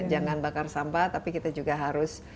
jangan bakar sampah tapi kita juga harus